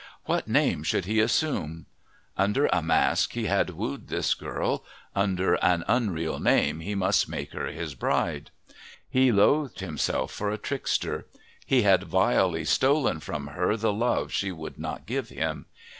What name should he assume? Under a mask he had wooed this girl, under an unreal name he must make her his bride. He loathed himself for a trickster. He had vilely stolen from her the love she would not give him.